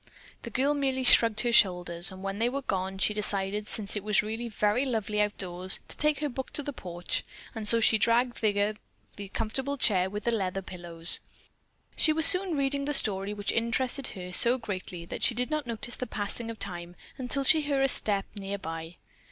The girl merely shrugged her shoulders, and when they were gone she decided, since it really was very lovely out of doors, to take her book to the porch, and so she dragged thither the comfortable chair with the leather pillows. She was soon reading the story, which interested her so greatly that she did not notice the passing of time until she heard a step near by.